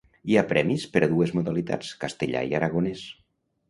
Hi ha premis per a dues modalitats: castellà i aragonès.